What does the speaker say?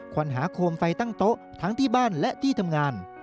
วันหาโคมไฟตั้งโต๊ะทั้งที่บ้านและที่ทำงาน